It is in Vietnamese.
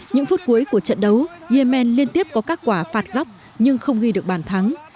những phút cuối của trận đấu yemen liên tiếp có các quả phạt góc nhưng không ghi được bàn thắng